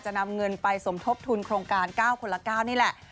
นำเงินไปสมทบทุนโครงการ๙คนละ๙นี่แหละ